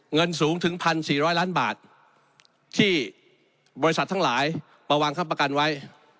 เงินสูงถึง๑๔๐๐ล้านบาทที่บริษัททั้งหลายมาวางค้ำประกันไว้